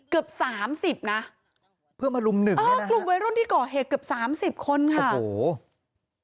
เกือบ๓๐นะเพื่อมารุมหนึ่งเออกลุ่มไว้รถที่ก่อเหตุเกือบ๓๐คนค่ะโอ้โห